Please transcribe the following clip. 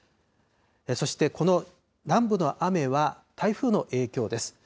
そしてこの南部の雨は、台風の影響です。